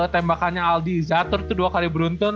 tembakannya aldi zathor itu dua kali brunton